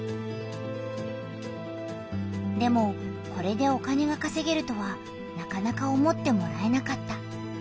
でもこれでお金がかせげるとはなかなか思ってもらえなかった。